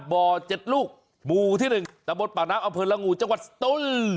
บ้านบ่อเจ็ดลูกหมู่ที่หนึ่งตะบดป่าน้ำอเผินลงงูจังหวัดตุล